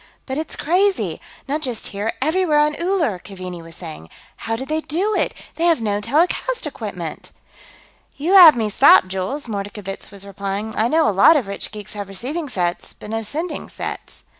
"But it's crazy! Not just here; everywhere on Uller!" Keaveney was saying. "How did they do it? They have no telecast equipment." "You have me stopped, Jules," Mordkovitz was replying. "I know a lot of rich geeks have receiving sets, but no sending sets."